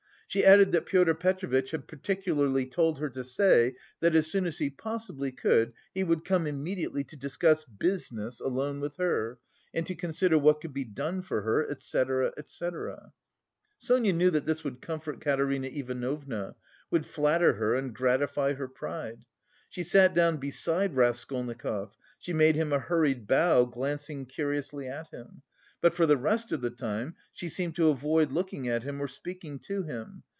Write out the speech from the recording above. She added that Pyotr Petrovitch had particularly told her to say that, as soon as he possibly could, he would come immediately to discuss business alone with her and to consider what could be done for her, etc., etc. Sonia knew that this would comfort Katerina Ivanovna, would flatter her and gratify her pride. She sat down beside Raskolnikov; she made him a hurried bow, glancing curiously at him. But for the rest of the time she seemed to avoid looking at him or speaking to him.